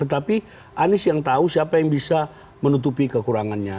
tetapi anies yang tahu siapa yang bisa menutupi kekurangannya